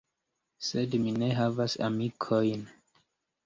Sed mi ne havas amikojn.